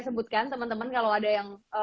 sebutkan teman teman kalau ada yang